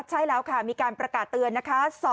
ใช่แล้วค่ะมีการประกาศเตือนนะคะ